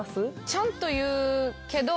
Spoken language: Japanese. ちゃんと言うけど。